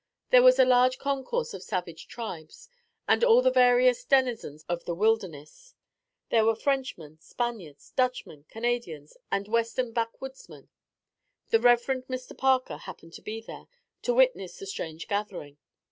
There was a large concourse of savage tribes, and all the various denizens of the wilderness. There were Frenchmen, Spaniards, Dutchmen, Canadians, and Western backwoodsmen. The Rev. Mr. Parker happened to be there, to witness the strange gathering.